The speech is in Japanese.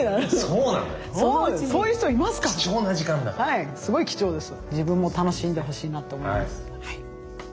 はいすごい貴重です。